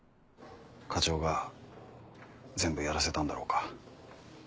課長が全部やらせたんだろうか。